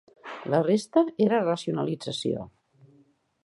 La resta era racionalització.